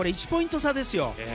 １ポイント差ですよ。